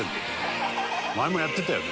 「前もやってたよね」